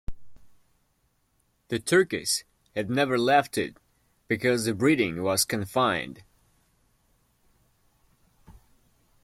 The turkeys had never left it because the breeding was confined.